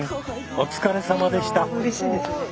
お疲れさまでした。